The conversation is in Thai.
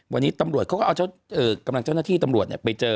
วันนี้ตำรวจเขาก็เอากำลังเจ้าหน้าที่ตำรวจไปเจอ